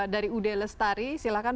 dari ud lestari silahkan